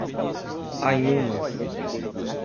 Anhumas